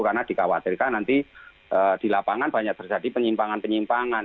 karena dikhawatirkan nanti di lapangan banyak terjadi penyimpangan penyimpangan